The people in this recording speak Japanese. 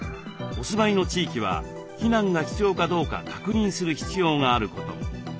お住まいの地域は避難が必要かどうか確認する必要があることも。